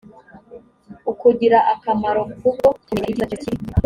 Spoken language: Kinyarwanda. ukugira akamaro ku bwo kumenya icyiza cyose kiri